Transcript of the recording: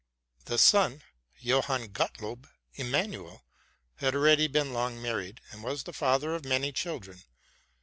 The son, Johann Gottlob Immanuel, had already been long married, and was the father of many children.